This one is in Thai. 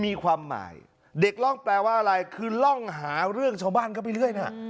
มีความหมายเด็กร่องแปลว่าอะไรคือร่องหาเรื่องชาวบ้านเข้าไปเรื่อยนะ